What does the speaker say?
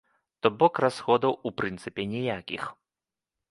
То бок расходаў у прынцыпе ніякіх.